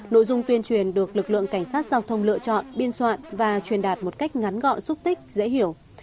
nội dung tuyên truyền được lực lượng cảnh sát giao thông lựa chọn biên soạn và truyền đạt một cách ngắn gọn xúc tích dễ hiểu